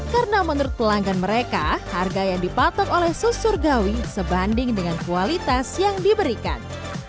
karena menurut pelanggan mereka harga yang dipatok oleh sus surgawi sebanding dengan kualitas yang diberikan